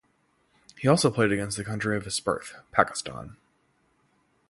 He also played against the country of his birth, Pakistan.